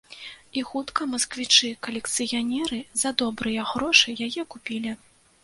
І хутка масквічы-калекцыянеры за добрыя грошы яе купілі.